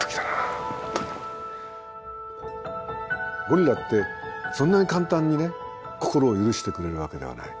ゴリラってそんなに簡単にね心を許してくれるわけではない。